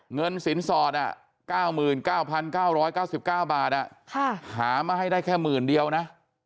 เงินสินสอดอ่ะเก้ามื่นเก้าพันเก้าร้อยเก้าสิบเก้าบาทอ่ะค่ะหามาให้ได้แค่หมื่นเดียวนะอ๋อ